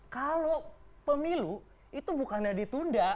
kalau pemilu itu bukannya ditunda